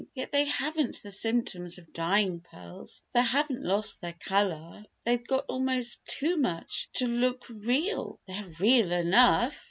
Yet they haven't the symptoms of 'dying' pearls. They haven't lost their colour. They've got almost too much to look real." "They're real enough!"